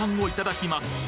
いただきます。